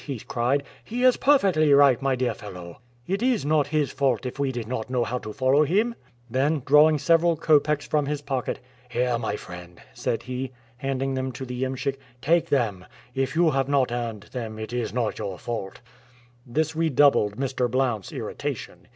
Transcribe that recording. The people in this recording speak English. he cried. "He is perfectly right, my dear fellow. It is not his fault if we did not know how to follow him!" Then drawing several copecks from his pocket, "Here my friend," said he, handing them to the iemschik; "take them. If you have not earned them, that is not your fault." This redoubled Mr. Blount's irritation.